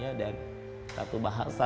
jadi ini ayo langsung bekerja